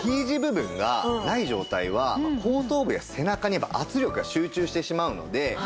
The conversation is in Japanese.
Ｔ字部分がない状態は後頭部や背中に圧力が集中してしまうので。